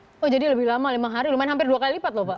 lumayan hampir dua kali lipat lho pak